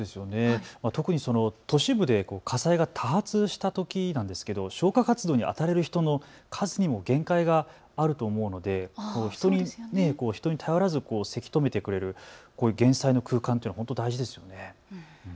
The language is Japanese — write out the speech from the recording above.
特に都市部で火災が多発したとき消火活動にあたれる人の数にも限界があると思うので人に頼らず、せき止めてくれるこういう減災の空間というのは本当に大事ですよね。